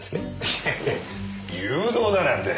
いやいや誘導だなんて。